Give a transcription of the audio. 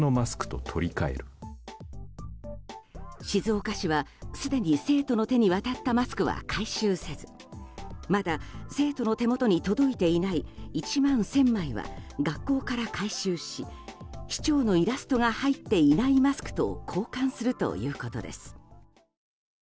静岡市はすでに生徒の手に渡ったマスクは回収せずまだ生徒の手元に届いていない１万１０００枚は学校から回収し、市長のイラストが入っていないマスクと交換するということです。